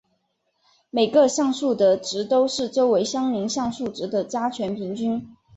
每个像素的值都是周围相邻像素值的加权平均。